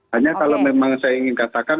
hanya kalau memang saya ingin katakan